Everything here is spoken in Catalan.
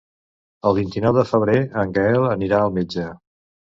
El vint-i-nou de febrer en Gaël anirà al metge.